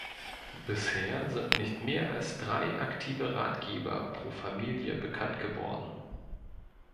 Bisher sind nicht mehr als drei aktive Ratgeber pro Familie bekannt geworden.